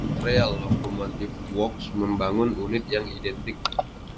Montreal Locomotive Works membangun unit yang identik.